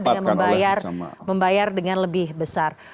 dengan membayar dengan lebih besar